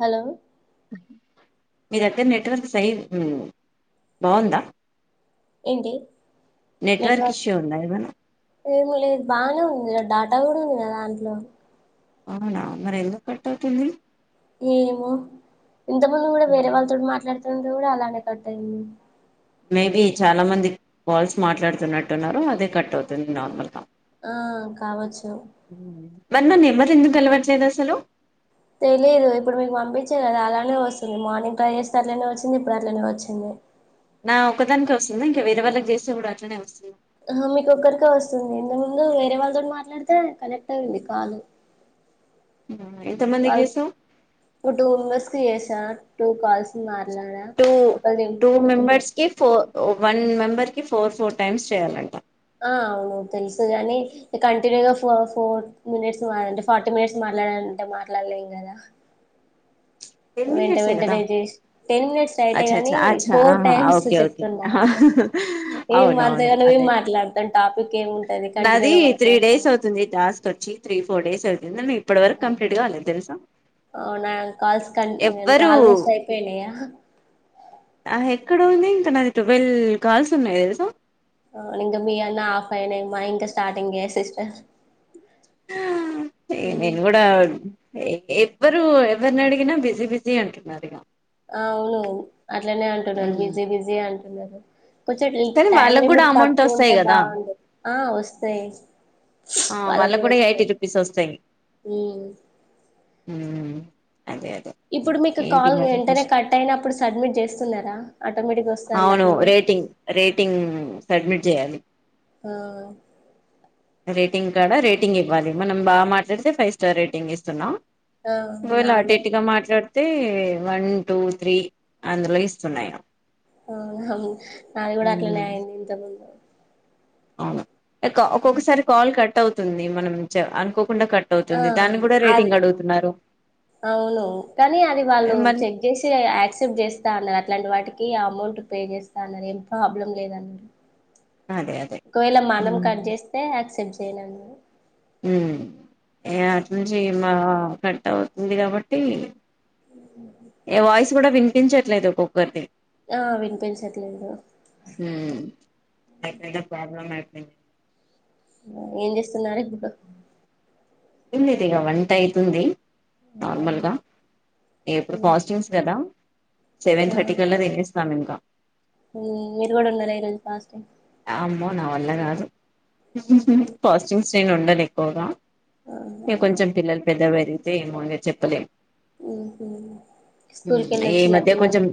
Hello మీ దగ్గర network సై ఉమ్ బాగుందా ఏంటి నెట్వర్క్ ఇష్యూ ఉందా ఏమైనా ఏమి లేదు బానే ఉన్ ఉమ్ డాటా కూడా ఉంది కదా దాంట్లో అవునా మరి ఎందుకు కట్ అవుతుందీ ఏమో ఇంత ముందు కూడా వేరే వాళ్ళతో మాట్లాడుత్ తంది కూడ అలానే కట్ అయింది మేబి చాలా మంది కాల్స్ మాట్లాడుతున్నట్టున్నారు అదే కట్ అవుతుంది నార్మల్ గా ఆ కావచ్చు మరి నా నెంబర్ ఎందుకు కలవడలేదు అసలు తెలియదు ఇప్పుడు మీకు పంపించే కదా అలానే వస్తుంది మార్నింగ్ ట్రై చేస్తే అట్లనే వచ్చింది ఇప్పుడు అట్లనే వచ్చింది నా ఒకదానికి వస్తుంది ఇంకా వేరే వాళ్ళకి చేస్తే కూడా అట్నే వస్తుందా ఆ మీకొక్కరికే వస్తుంది ఇంతకు ముందు వేరే వాళ్ళతోటి మాట్లాడితే కనెక్ట్ అయింది కాలు ఎంత మందికి చేసావు వాల్కు టు మెంబెర్స్కి చేసా టూ కాల్స్ మ అనా టూ ఒక టూ నిమి మెంబర్స్ కి ఫోర్ వన్ మెంబర్కి ఫోర్ ఫోర్ టైమ్స్ చేయాలంట ఆ అవును తెలుసుగాని కంటిన్యూగా ఫ ఫోర్ మినిట్స్ంటే ఫార్టీ మినిట్స్ మాట్లాడాలంటే మాట్లాడలేం కదా టెన్ వెంట మినిట్సే కదా వెంటనే టెన్ మినిట్స్ అయితే అచ్చ అచ్చ గాని అచ్చ ఫోర్ టైమ్స్ ఓకే ఓకే చెప్తున్నా ఏం అంతగానం ఏం మాట్లాడతాం టాపిక్ ఏముంటది నది కంటిన్యూగా త్రీ మాట్లాడతాం డేస్ అవుతుంది ద ఫస్ట్ వచ్చి త్రీ ఫోర్ డేస్ ఆపియందని చెప్ అవునా కాల్స్ కన్ అంత ఎవ్వరు ఆల్మోస్ట్ అయిపోయినయ ఆ ఎక్కడ ఉంది ఇంకా నాది ట్వెల్వ్ కాల్స్ ఉన్నాయి తెలుస అవును ఇంక మీ అన్న ఆఫ్ అయినయ్ మా ఇంకా స్టార్టింగె సిస్టర్ ఈ నేను కూడా ఎ ఎవ్వరు ఎవరిని అడిగినా బిజీ బిజీ అంటున్నారు ఇగ అవును అట్లనే అంటున్నారు బిజీ బిజీ అం ఎల్లరు కొంచం లీ కానీ టైమ్ వాళ్ళకు కూడా లిమిట్ అమౌంట్ తక్కువ వస్తాయి ఉంటే కదా బాగుండు ఆ వస్తాయి ఆ వాళ్ళ వాళ్ళకు కూడా ఎయిటీ వస్తాయి రూపీస్ వస్తాయి ఉమ్ ఊ ఇప్పుడు మీకు కాల్ వెంటనే కట్ అయిన అప్పుడు సబ్మిట్ చేస్తున్నారా ఆటోమేటిక్గా అవును వస్తుందట్లనే జయాలి ఆ రేటింగ్ కాడా రేటింగ్ ఇవ్వాలి మనం బాగా మాట్లాడితే ఫైవ్ స్టార్ రేటింగ్ ఇస్తున్నాం ఆ నాది ఓలాటేట్టుగా మాట్లాడ్ అయితే వన్ టూ త్రీ అందులో ఇస్తునయం ఆవునవును నాది కూడా అట్లనే ఉమ్ అయింది ఇంత ముందు అవును ఎక్కో ఒక్కొక్కసారి కాల్ కట్ టవుతుంది మనం చ అనుకో ఆ అవును అది అవును కానీ అది వాళ్ళు మళ్ళీ చెక్ చేసి యాక్సెప్ట్ చేస్తా అన్నారు అట్లాంటి వాటి కి అమౌంట్ పే చేస్తా అన్నారు ఏం ప్రాబ్లం లేదన్నరు అదే అదే ఒకవేళ మనం కట్ జేస్తే ఆసెప్ట్ జే తేనంగా ఊ ఏ అటి నుంచి మా కట్ట అవుతుంది కాబట్టి ఏ వాయిస్ కూడా వినిపించట్లేదు ఒక్కొక్కరిది ఆ వినిపించట్లేదు ఎ పెద్ద ప్రాబ్లమ్ ఐపోయింది ఏం చేస్ తెల్లారే [unintelligible] తిన్లేదిగ వంట అయితుంది నార్మల్గా ఎప్పుడు ఫాస్టింగ్స్ కదా సెవెన్ థర్టీ కలా రివేస్ స్తాంమింక ఈ ఇయర్ కూడా ఉండలేను ఫాస్టింగ్. అమ్మో నా వల్ల కాదు పాస్టింగ్స్ నేను ఉండను ఎక్కువగా ఆ ఇగ అవునా కొంచెం పిల్లలు పెద్దగ పెరి ఏమో ఇంగ చెప్పలే ఈ స్కూల్కెళ్ళొచ్చిల మధ్య పిల్లలు కొంచెం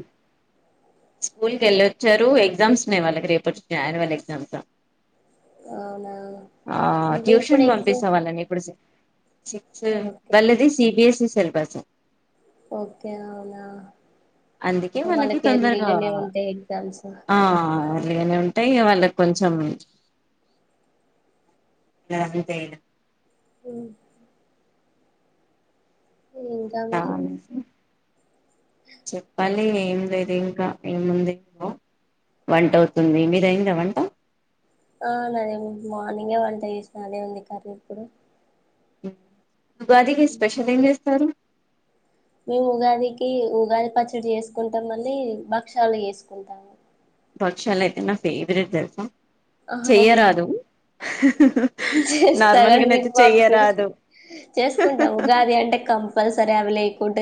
స్కూల్ కి ఎళ్ళోచ్చారు ఎగ్జామ్స్ ఉన్నాయి వాళ్ళకి రేపటి క్యాజువల్ ఎగ్జామ్సు అవునా ఆ అంటే ఇప్పుడు ట్యూషన్ ఎగ్జామ్ పంపిస్తా వాళ్ళని ఇప్పుడు సిస్క్ ఓకే వల్ళది C B S E syllabus okay అవునా అందుకే వాళ్ళకి తొందరగా ఎర్లీగానే ఉంటాయి ఎగ్జామ్స్ ఆ ఎర్లీగనే ఉంటయి వాళ్ళకి కొం చం [unintelligible] మ్ ఇంకా మరి చెప్పాలి ఏం లేదు ఇంకా ఏముంది వంట అవుతుంది. మీది అయ్యిందా వంట? ఆ మాదీ మార్నింగే వంట చేసిన అదే ఉంది కర్రీ ఇప్పుడు. మ్ ఉగాదికి స్పెషల్ ఏం చే స్తరు మేము ఉగాదికి, ఉగాది పచ్చడి చేసుకుంటాం మళ్ళీ భక్షాలు చేసుకుంటాము. భక్షాలయితే నా ఫేవరెట్ తెలుసా అవునా చెయ్యరాదు చేస్త గాని నార్మల్గానయితే మీకు పంపి చెయ్యరాదు చేసుకుంటాం ఉగాది అంటే కంపల్సర్ గవి లేకుంట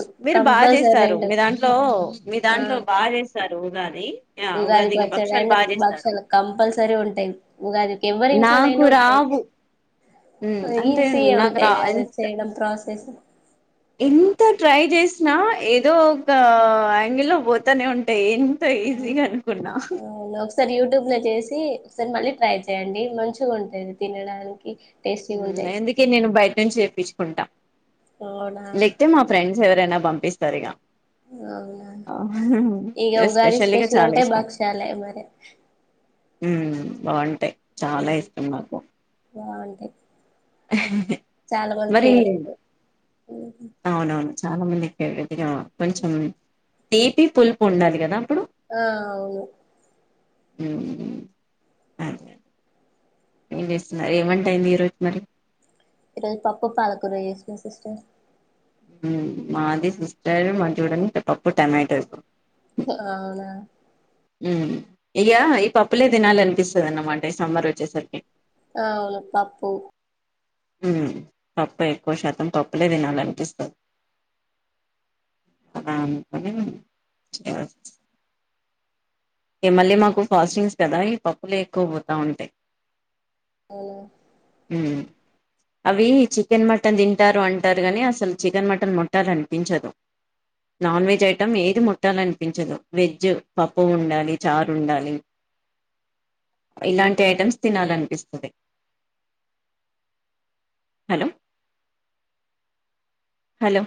ప్చ్ మీరు బాగా చేస్తారు మీ దాంట్లో మీ దాంట్లో బాగా చేస్తారు. ఉగాది ఆ ఉగాదికి వచ్చే భక్షాలు టైంలో బాగా చేస్తారు భక్షలు కంపల్సరీ ఉంటయి. ఉగాదికి ఎవ్వరి నాకు ఇంట్లోనైనా ఉంటయి. రావు ఉమ్, అంటే ఈజీయే నాకు రా ఉంటయి కదా ఎంత చేయడం ప్రాసెస్. ఎంత ట్రై చేసినా ఏదో ఒక యాంగిల్ లో పోతనే ఉంటాయి. ఎం ఆ అ ఒకసారి యూట్యూబ్ లో చేసి, సరి మళ్ళీ ట్రై చేయ్యడి. మంచిగా ఉంటుంది తినడానికి టేస్టీగా మ్మ్ ఉంటాయి ఇందుకే నేను బయట నుంచి తెప్పించుకుంటా. అవునా లేక్తే మా ఫ్రెండ్స్ ఎవరైనా పంపిస్తారు ఇగ అవునా ఇగ ఉగాది ఎస్పెషల్లీ గా స్పెషల్ చాలా అంటే భక్షాలే మరి హ్మ్ బాగుంటాయి చాలా ఇష్టం నాకు థ్యాం చాలా మంది మరి ఫేవరెట్ అవునవును చాలా మందికిది ఇ కొంచం తీపి పులుపు ఉండాలి కదా అప్పుడు ఆ అవును ఉమ్ హ్మ్ ఏం చేస్తున్నారు ఏమంటాయింది ఈరోజు మరి ఈరోజు పప్పు పాలకుర చేసిన సిస్టర్ మాది సిస్టర్ మాది చూడండి పప్పు టమాటో అవునా ఇక ఈ పప్పులే దినాల అనిపిస్తుంది అన్నమాట ఈ సమ్మర్ వచ్చేసరికి ఆవును పప్పు పప్పు ఎక్కువ శాతం పప్పులే తినాలనిపిస్తుంది ఇ మళ్ళీ మాకు ఫాస్టింగ్స్ కదా ఈ పప్పులే ఎక్కువ పోతా ఉంటాయి అవున అవి చికెన్ మటన్ తింటారు అంటారు కానీ అసలు చికెన్ మటన్ ముట్టాలనిపించదు నాన్ వెజ్ ఐటం ఏది ముట్టాలనిపించదు వెజ్ పప్పు ఉండాలి చారు ఉండాలి ఇలాంటి ఐటమ్స్ తినాలనిపిస్తుంది హలో హలో